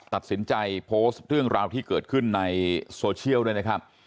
ตัดสินใจโพสต์เรื่องราวที่เกิดขึ้นในโซเชียลด้วยนะครับ